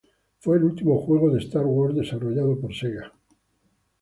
Fue el último juego de Star Wars desarrollado por Sega.